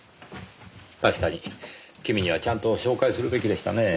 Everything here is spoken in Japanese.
確かに君にはちゃんと紹介するべきでしたねぇ。